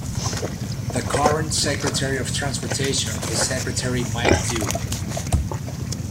The current Secretary of Transportation is Secretary Mike Dew.